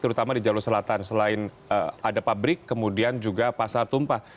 terutama di jalur selatan selain ada pabrik kemudian juga pasar tumpah